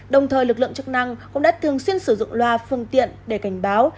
đồng thời lực lượng chức năng cũng đã thường xuyên sử dụng loa phương tiện để cảnh báo